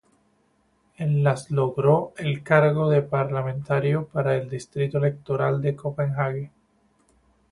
En las logró el cargo de parlamentario para el distrito electoral de Copenhague.